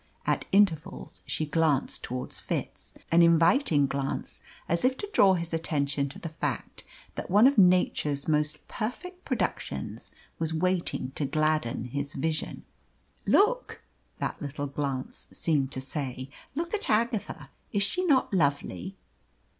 At intervals she glanced towards Fitz an inviting glance, as if to draw his attention to the fact that one of Nature's most perfect productions was waiting to gladden his vision. "Look!" that little glance seemed to say. "Look at Agatha. IS she not lovely?"